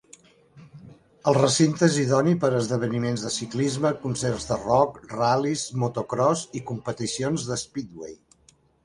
El recinte és idoni per a esdeveniments de ciclisme, concerts de rock, ral·lis, motocròs i competicions d'speedway.